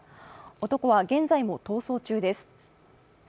男は現在も逃走中です。